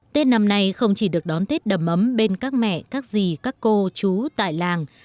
tết năm nay không chỉ được đón tết đầm ấm bên các mẹ các gì các cô chú tại làng